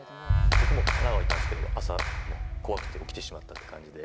僕も神奈川にいたんですけど朝、怖くて起きてしまったという感じで。